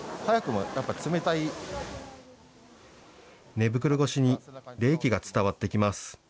寝袋越しに冷気が伝わってきます。